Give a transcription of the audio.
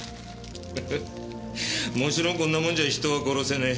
もちろんこんなもんじゃ人は殺せねえ。